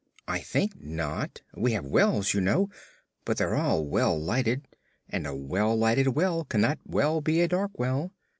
"I think not. We have wells, you know, but they're all well lighted, and a well lighted well cannot well be a dark well.